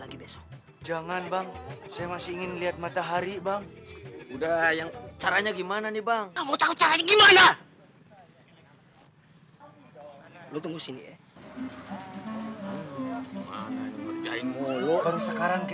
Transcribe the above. tidak ada orang yang membunuh diri